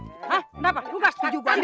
hah kenapa lu gak setuju banget